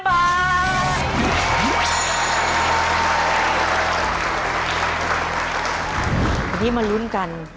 วันนี้มาลุ้นกัน